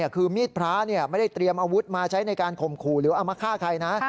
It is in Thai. คือมีดพระไม่ได้เตรียมอาวุธมาใช้ในการข่มขู่หรือเอามาฆ่าใครนะ